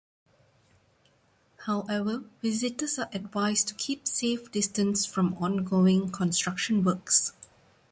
However, visitors are advised to keep safe distance from ongoing construction works.